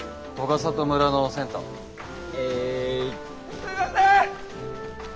・すいません！